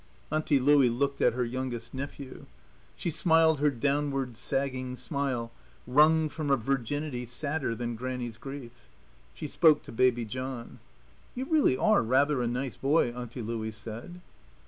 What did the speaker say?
Auntie Louie looked at her youngest nephew. She smiled her downward, sagging smile, wrung from a virginity sadder than Grannie's grief. She spoke to Baby John. "You really are rather a nice boy," Auntie Louie said.